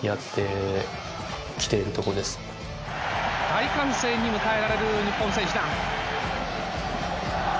大歓声に迎えられる日本選手団。